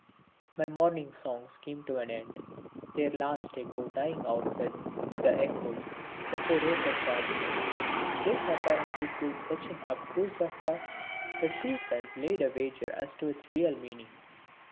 My Morning Songs came to an end, their last echo dying out with The Echo which I wrote at Darjeeling. This apparently proved such an abstruse affair that two friends laid a wager as to its real meaning.